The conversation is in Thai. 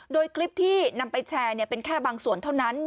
โดยคลิปที่นำไปแชร์เป็นแค่บางส่วนเท่านั้น